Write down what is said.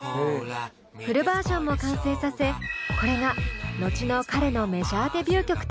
フルバージョンも完成させこれが後の彼のメジャーデビュー曲となります。